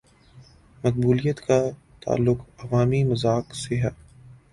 مقبولیت کا تعلق عوامی مذاق سے ہے۔